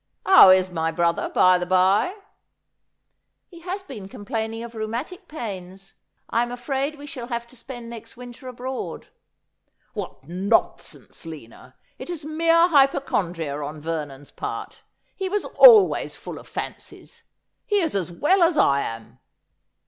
' How is my brother, by the bye ?'' He has been complaining of rheumatic pains. I'm afraid we shall have to spend next winter abroad.' ' What nonsense, Lina ! It is mere hypochondria on Ver non's part. He was always full of fancies. He is as well as I am.'